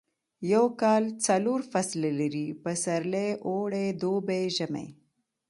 یو کال څلور فصله لري پسرلی اوړی دوبی ژمی